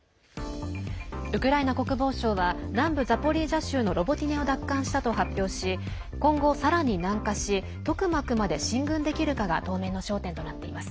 ウクライナ国防省は南部ザポリージャ州のロボティネを奪還したと発表し今後さらに南下しトクマクまで進軍できるかが当面の焦点となっています。